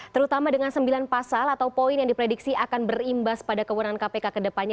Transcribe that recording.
terutama dengan sembilan pasal atau poin yang diprediksi akan berimbas pada kewenangan kpk ke depannya